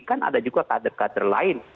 kan ada juga kader kader lain